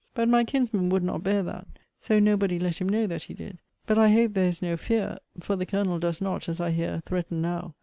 But my kinsman would not bear that; so nobody let him know that he did. But I hope there is no fear; for the Colonel does not, as I hear, threaten now.